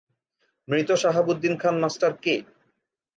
মৃত শাহাবুদ্দিন খান মাস্টার কে।